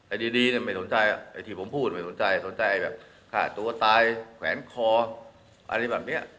ไอ้ดีแต่แต่ไอ้ที่ผมพูดไม่สนใจสนใจตัวตายแข็งคออันนี้แบบเนี้ย